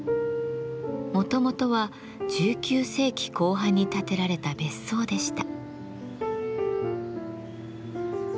もともとは１９世紀後半に建てられた別荘でした。